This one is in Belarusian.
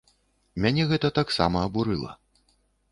Мяне гэта таксама абурыла.